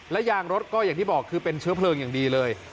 ยางรถก็อย่างที่บอกคือเป็นเชื้อเพลิงอย่างดีเลย